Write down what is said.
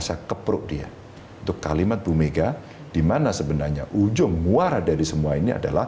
saya kepruk dia untuk kalimat bumega dimana sebenarnya ujung muara dari semua ini adalah